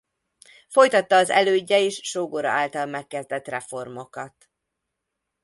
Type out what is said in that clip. Folytatta az elődje és sógora által megkezdett reformokat.